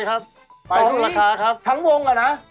ก็จะคงโค้ง